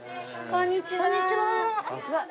こんにちは。